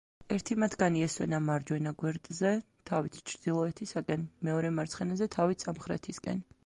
ერთი მათგანი ესვენა მარჯვენა გვერდზე, თავით ჩრდილოეთისაკენ, მეორე მარცხენაზე, თავით სამხრეთისკენ.